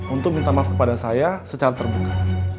untuk minta maaf kepada saya secara terbuka